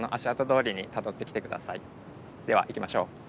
では行きましょう。